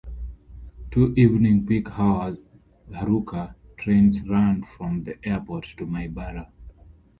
Two evening peak hour "Haruka" trains run from the airport to Maibara.